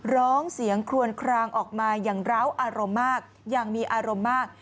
ร้องเสียงคลวนคลางออกมาอย่างร้าวอารมณ์มาก